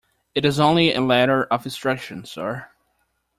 It is only a letter of instruction, sir.